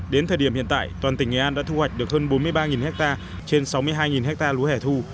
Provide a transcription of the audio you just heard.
đến thời điểm hiện tại toàn tỉnh nghệ an đã thu hoạch được hơn bốn mươi ba ha trên sáu mươi hai ha lúa hẻ thu